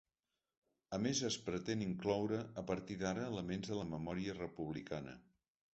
A més, es pretén incloure a partir d’ara elements de la memòria republicana.